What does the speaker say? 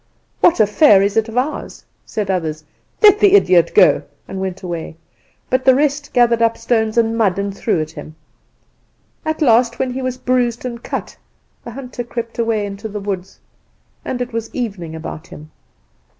"'What affair is it of ours?' said others. 'Let the idiot go,' and went away. But the rest gathered up stones and mud and threw at him. At last, when he was bruised and cut, the hunter crept away into the woods. And it was evening about him."